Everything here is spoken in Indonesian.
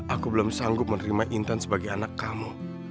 aku belum sanggup menerima intan sebagai anak kamu